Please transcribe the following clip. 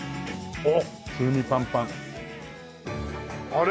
あれ？